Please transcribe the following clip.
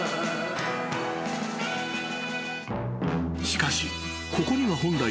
［しかしここには本来］